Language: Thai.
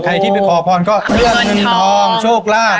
ใครที่ไปขอพรก็เรื่องเงินทองโชคลาภ